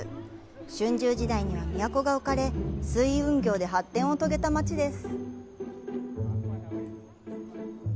春秋時代には都が置かれ水運業で発展を遂げた街です。